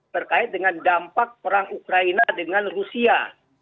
terkait dengan dampak perang ukraina dengan rusia